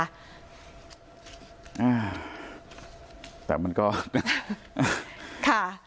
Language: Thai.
อ่าแต่มันก็ค่ะ